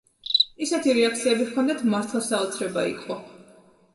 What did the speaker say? ისეთი რეაქციები ჰქონდათ, მართლა საოცრება იყო.